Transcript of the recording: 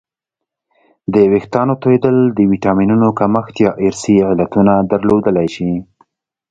د وېښتانو تویدل د ویټامینونو کمښت یا ارثي علتونه درلودلی شي